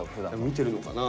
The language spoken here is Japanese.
見てるのかな。